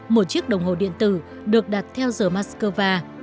một chiếc đồng hồ điện tử được đặt theo giờ moscow